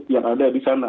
yang ada di sana